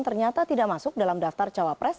ternyata tidak masuk dalam daftar cawapres